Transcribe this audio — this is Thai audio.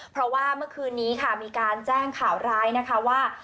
เพราะว่าเมื่อคืนนี้ค่ะมีการแจ้งข่าวร้ายนะคะว่า